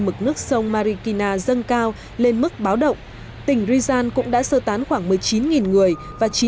mực nước sông marikina dâng cao lên mức báo động tỉnh rizzan cũng đã sơ tán khoảng một mươi chín người và chỉ